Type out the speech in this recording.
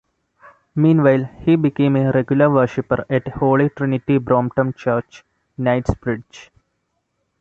Meanwhile, he became a regular worshipper at Holy Trinity Brompton Church, Knightsbridge.